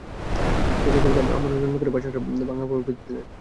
সেই লতাগুলো আম্মা অনেক যত্ন করে বাচ্চাটার ভাঙ্গা পায়ে বেধে দিলেন।